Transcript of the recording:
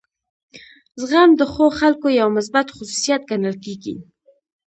زغم د ښو خلکو یو مثبت خصوصیت ګڼل کیږي.